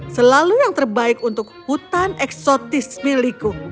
selalu yang terbaik untuk hutan eksotis milikku